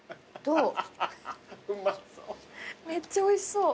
めっちゃおいしそう。